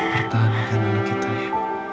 pertahanan anak kita ya